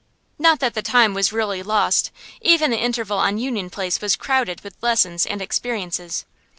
Not that the time was really lost. Even the interval on Union Place was crowded with lessons and experiences.